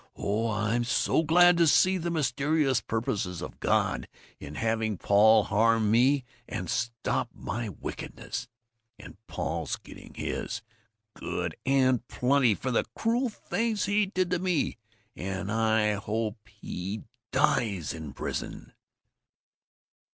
Oh, I'm so glad to see the mysterious purposes of God in having Paul harm me and stop my wickedness and Paul's getting his, good and plenty, for the cruel things he did to me, and I hope he dies in prison!"